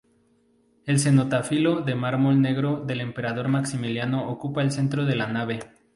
El cenotafio de mármol negro del emperador Maximiliano ocupa el centro de la nave.